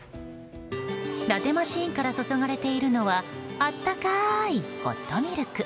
ラテマシーンから注がれているのは温かいホットミルク。